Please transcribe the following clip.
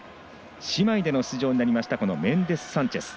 姉妹での出場になったメンデスサンチェス。